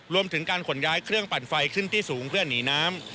รวมถึงการขนย้ายเครื่องปั่นไฟขึ้นที่สูงเพื่อหนีน้ำ